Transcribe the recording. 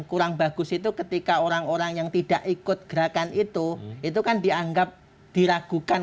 kurang bagus itu ketika orang orang yang tidak ikut gerakan itu itu kan dianggap diragukan